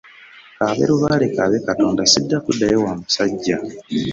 Kaabe lubaale kaabe Katonda sijja kuddayo wa musajja.